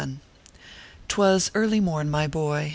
TwAS early morn, my boy.